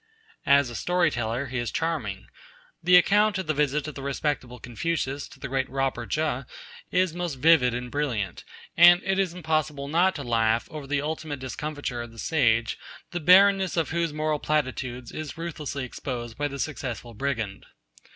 As a story teller he is charming. The account of the visit of the respectable Confucius to the great Robber Che is most vivid and brilliant, and it is impossible not to laugh over the ultimate discomfiture of the sage, the barrenness of whose moral platitudes is ruthlessly exposed by the successful brigand.